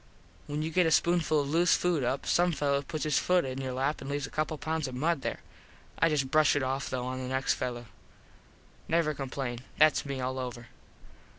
When you get a spoonful of loose food up some fello puts his foot in your lap and leaves a couple of pounds of mud there. I just brush it off tho on the next fello. Never complain. Thats me all over.